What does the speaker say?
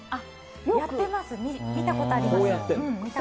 やってます、見たことあります。